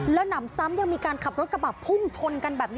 แล้วหนำซ้ำยังมีการขับรถกระบะพุ่งชนกันแบบนี้